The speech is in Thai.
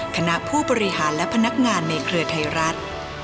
คณะผู้บริหารและพนักงานในเครือไทยรัฐ